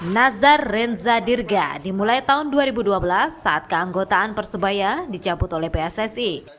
nazar renza dirga dimulai tahun dua ribu dua belas saat keanggotaan persebaya dicabut oleh pssi